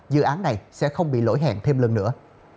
dự án này sẽ không bị lỗi hẹn thêm lần nữa